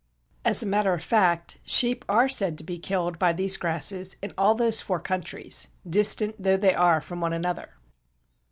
As a matter of fact, sheep are said to be killed by these grasses in all those four countries, distant though they are from one another.